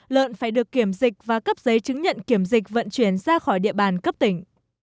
lợn phải được kiểm dịch và cấp giấy chứng nhận kiểm dịch vận chuyển ra khỏi địa bàn cấp tỉnh